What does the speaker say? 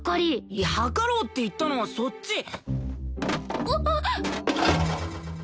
いや測ろうって言ったのはそっち。わわっ！